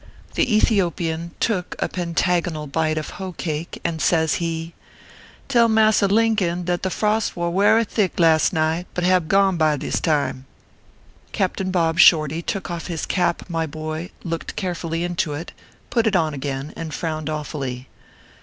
The Ethiopian took a pentagonal bite of hoecake, and says he :" Tell Massa Lincon that the frost war werry thick last night, but hab gone by this time." . Captain Bob Shorty took off his cap, my boy, looked carefully into it, put it on again, and frowned awfully.